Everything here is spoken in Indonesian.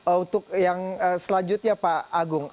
untuk yang selanjutnya pak agung